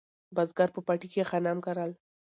بزګر په پټي کې غنم کرل